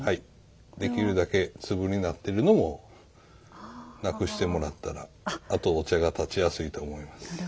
できるだけ粒になってるのもなくしてもらったらあとお茶が点ちやすいと思います。